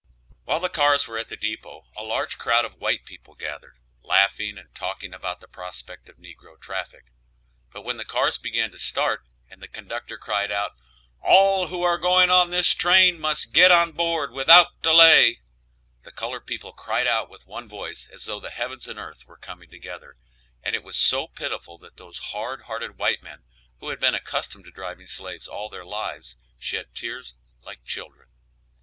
While the cars were at the depot a large crowd of white people gathered, laughing and talking about the prospect of negro traffic; but when the cars began to start, and the conductor cried out, "All who are going on this train must get on board without delay," the colored people cried out with one voice as though the heavens and earth were coming together, and it was so pitiful that those hard hearted white men, who had been accustomed to driving slaves all their lives, shed tears like children.